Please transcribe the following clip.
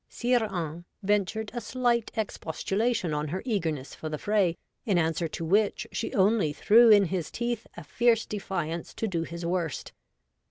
Sire Hains ventured a slight ex postulation on her eagerness for the fray, in answer to which she only threw in his teeth a fierce defiance to do his worst.